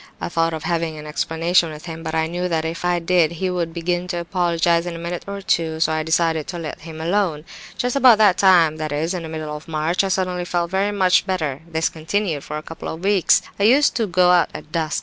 I thought of having an explanation with him, but I knew that if I did, he would begin to apologize in a minute or two, so I decided to let him alone. "Just about that time, that is, the middle of March, I suddenly felt very much better; this continued for a couple of weeks. I used to go out at dusk.